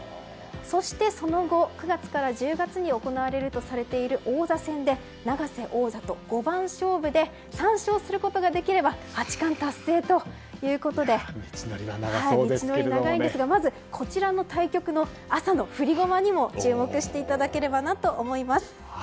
そしてその後、９月から１０月に行うとされている王座戦で永瀬王座と五番勝負で３勝することができれば八冠達成ということで道のり長いんですがこちらの対局の朝の振り駒にも注目していただければと思います。